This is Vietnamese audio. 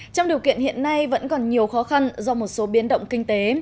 trong điều kiện hiện nay vẫn còn nhiều khó khăn do một số biến động kinh tế